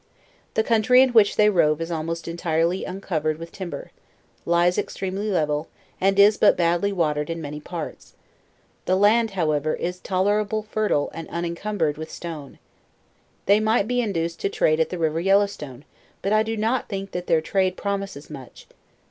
The country in which they rove is almost entirely uncovered with timber; lies ex tremely level; and is but badly watered in many parts; the Innd, however, is tolerable fertile and unincumbered witli stone. They might be induced to trade at the river Yellow Stone; but I do not think that their trade promises mush.